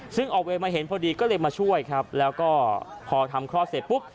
ซึ่งออกเวรมาเห็นพอดีก็เลยมาช่วยครับแล้วก็พอทำคลอดเสร็จปุ๊บ